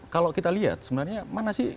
kalau kita lihat sebenarnya mana sih